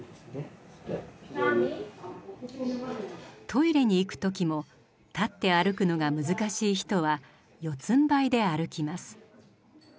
トイレに行く時も立って歩くのが難しい人は四つんばいで歩きます。